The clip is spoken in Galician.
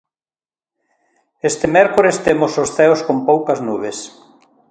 Este mércores temos os ceos con poucas nubes.